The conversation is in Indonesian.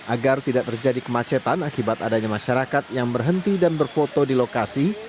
agar tidak terjadi kemacetan akibat adanya masyarakat yang berhenti dan berfoto di lokasi